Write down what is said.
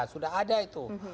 sudah ada itu